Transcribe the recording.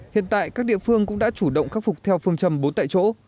hiện tại các địa phương cũng đã chủ động khắc phục theo phương châm bốn tại chỗ